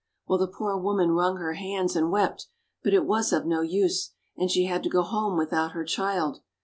Well, the poor woman wrung her hands and wept, but it was of no use, and she had to go home without her child.